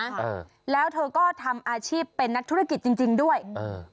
เออแล้วเธอก็ทำอาชีพเป็นนักธุรกิจจริงจริงด้วยเออ